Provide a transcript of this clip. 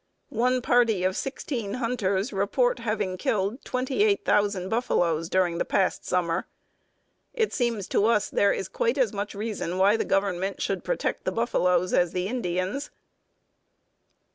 One party of sixteen hunters report having killed twenty eight thousand buffaloes during the past summer. It seems to us there is quite as much reason why the Government should protect the buffaloes as the Indians.